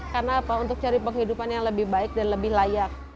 karena apa untuk mencari kehidupan yang lebih baik dan lebih layak